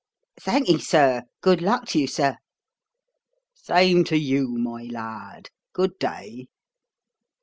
"Thanky, sir. Good luck to you, sir." "Same to you, my lad. Good day."